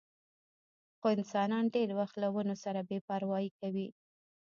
خو انسانان ډېر وخت له ونو سره بې پروايي کوي.